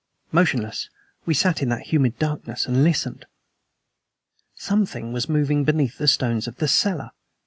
Motionless, we sat in that humid darkness and listened. Something was moving beneath the stones of the cellar.